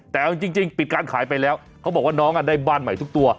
แต่เอาจริงปิดการขายไปแล้วเขาบอกว่าน้องได้บ้านใหม่ทุกตัว